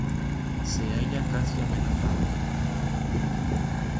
Se halla casi amenazada.